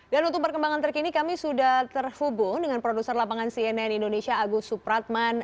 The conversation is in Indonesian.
dan untuk perkembangan terkini kami sudah terhubung dengan produser lapangan cnn indonesia agus supratman